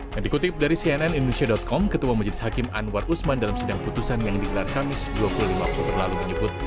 yang dikutip dari cnn indonesia com ketua majelis hakim anwar usman dalam sedang putusan yang dikelar kamis dua ribu lima puluh berlalu menyebut